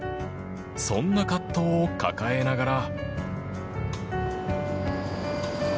そんな葛藤を抱えながら。